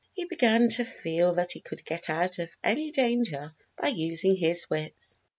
He began to feel that he could get out of any danger by using his wits.